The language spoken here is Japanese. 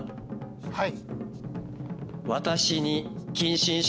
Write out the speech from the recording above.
はい。